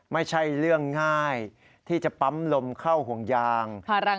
ไม่ใช่เรื่องง่ายที่จะปั๊มลมเข้าห่วงยาง